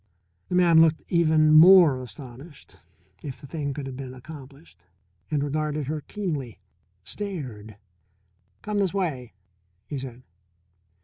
The man looked even more astonished, if the thing could have been accomplished, and regarded her keenly stared. "Come this way," he said.